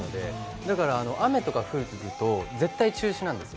だから雨とか降ると絶対中止なんですよ。